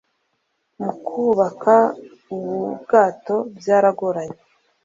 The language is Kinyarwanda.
mu kubaka ubu bwato byaragoranye